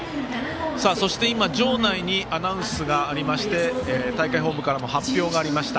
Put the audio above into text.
そして、今場内にアナウンスがありまして発表がありました。